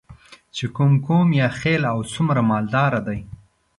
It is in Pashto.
چې کوم قوم یا خیل او څومره مالداره دی.